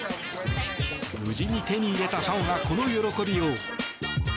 無事に手に入れたファンはこの喜びよう。